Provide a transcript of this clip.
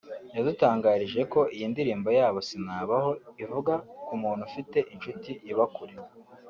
yadutangarije ko iyi ndirimbo yabo 'Sinabaho' ivuga ku muntu ufite inshuti iba kure